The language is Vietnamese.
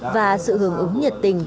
và sự hưởng ứng nhiệt tình